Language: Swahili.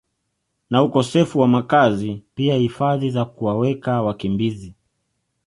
na ukosefu wa makazi pia hifadhi za kuwaweka wakimbizi